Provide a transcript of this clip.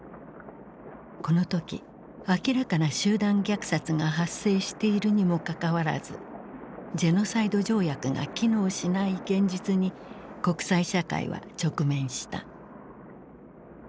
この時明らかな集団虐殺が発生しているにもかかわらずジェノサイド条約が機能しない現実に国際社会は直面した。